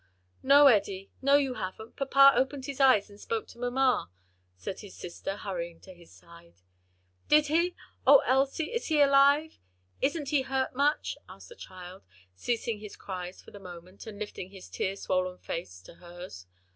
"No, Eddie, no, you haven't; papa opened his eyes and spoke to mamma," said his sister hurrying to his side. "Did he? O Elsie, is he alive? Isn't he hurt much?" asked the child, ceasing his cries for the moment, and lifting his tear swollen face to hers.